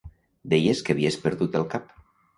Deies que havies perdut el cap.